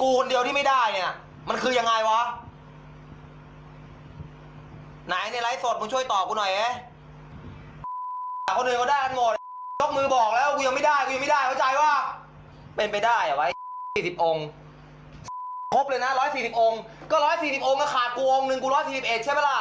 ก็๑๔๐องค์จ้ะขาดก์กูองค์นึงกู๑๔๑ใช่มะล่ะ